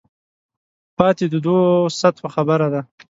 پاتې دوو سطحو خبره ده.